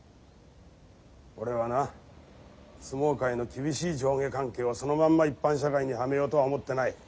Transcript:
俺はな相撲界の厳しい上下関係をそのまんま一般社会にはめようとは思ってない。